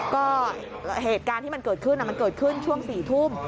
ก็เหตุการณ์ที่มันเกิดขึ้นมันเกิดขึ้นช่วง๔ทุ่ม